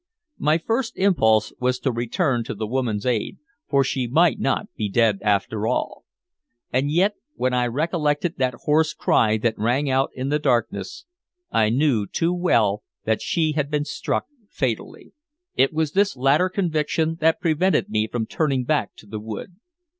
My first impulse was to return to the woman's aid, for she might not be dead after all. And yet when I recollected that hoarse cry that rang out in the darkness, I knew too well that she had been struck fatally. It was this latter conviction that prevented me from turning back to the wood.